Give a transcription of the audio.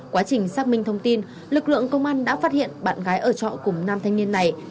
quá trình xác minh thông tin lực lượng công an đã phát hiện bạn gái ở trọ cùng nam thanh niên này